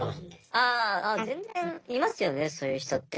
「あ全然いますよねそういう人って。